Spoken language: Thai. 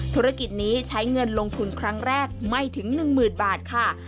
ธุรกิจนี้ใช้เงินลงทุนครั้งแรกไม่ถึง๑๐๐๐บาทค่ะ